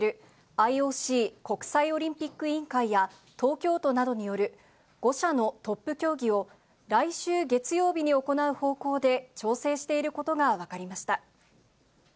ＩＯＣ・国際オリンピック委員会や東京都などによる５者のトップ協議を、来週月曜日に行う方向で調整していることが分かりました。